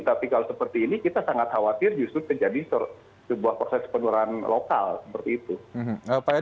tapi kalau seperti ini kita sangat khawatir justru terjadi sebuah proses penularan lokal seperti itu